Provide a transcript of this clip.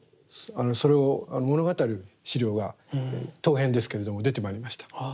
それを物語る資料が陶片ですけれども出てまいりました。